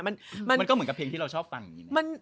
มันก็เหมือนกับเพียงที่เราชอบฟัง